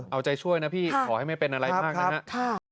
เอาใจช่วยนะพี่ขอให้ไม่เป็นอะไรมากนะครับ